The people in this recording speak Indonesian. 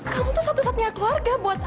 kamu tuh satu satunya keluarga buat